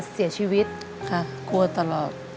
เสียชีวิตค่ะกลัวตลอด